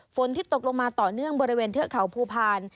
ฝนที่ตกลงมาต่อเนื่องบริเวณเทือกเขาภูพาล